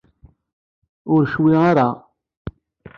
Ur cwi ara.